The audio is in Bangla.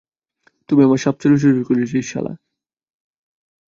তুই আমার সাপ চুরি করেছিস, শালা।